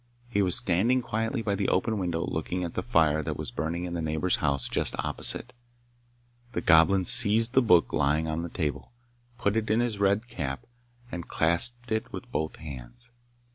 He was standing quietly by the open window looking at the fire that was burning in the neighbour's house just opposite. The Goblin seized the book lying on the table, put it in his red cap, and clasped it with both hands.